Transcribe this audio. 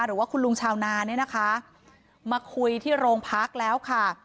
หรือว่าคุณลุงชาวนาเนี่ยนะคะมาคุยที่โรงพักแล้วค่ะ